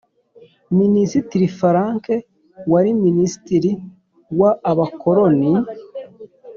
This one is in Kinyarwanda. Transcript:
Minisitiri Frank wari minisitiri wa abakoloni